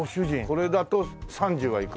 これだと３０はいく？